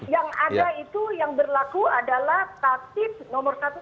yang ada itu yang berlaku adalah taktib nomor satu tahun dua ribu empat belas